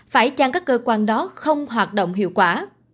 phải chăng các cơ quan đó không hoạt động hiệu quả